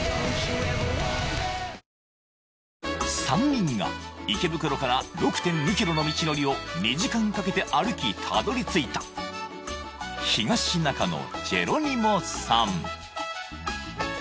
３人が池袋から６．２ｋｍの道のりを２時間かけて歩きたどりついた東中野ジェロニモさん